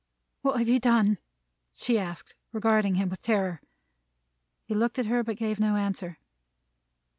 "What have you done?" she asked: regarding him with terror. He looked at her but gave no answer.